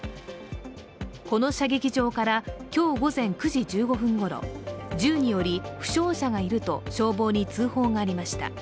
この射撃場から今日午前９時１５分ごろ、銃により、負傷者がいると消防に通報がありました。